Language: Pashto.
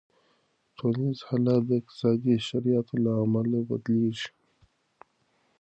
ټولنیز حالت د اقتصادي شرایطو له امله بدلېږي.